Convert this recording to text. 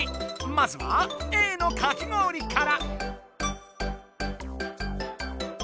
まずはＡのかき氷から。